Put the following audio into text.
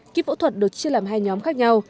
kíp phẫu thuật được chia làm hai nhóm khác nhau